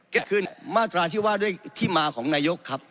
ก็คือมาตราที่ว่าด้วยที่มาของนายกครับ